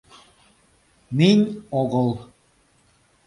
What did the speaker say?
— Минь огол...